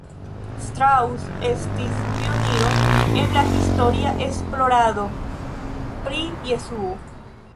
Strauss estis pioniro en la historia esplorado pri Jesuo.